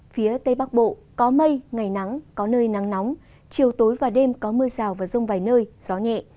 phía tây bắc bộ có mây ngày nắng có nơi nắng nóng chiều tối và đêm có mưa rào và rông vài nơi gió nhẹ